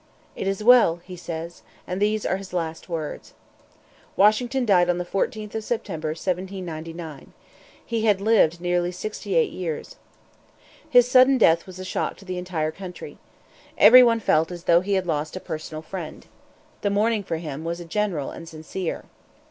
"It is well," he says; and these are his last words. Washington died on the 14th of December, 1799. He had lived nearly sixty eight years. His sudden death was a shock to the entire country. Every one felt as though he had lost a personal friend. The mourning for him was general and sincere.